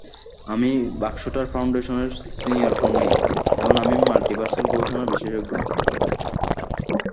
আমি ব্যাক্সটার ফাউন্ডেশনের সিনিয়র কর্মী, এবং আমি মাল্টিভার্সাল গবেষণায় বিশেষজ্ঞ।